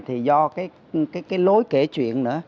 thì do cái lối kể chuyện nữa